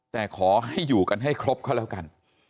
แต่ขอให้อยู่กันให้ครบเขาแล้วกัน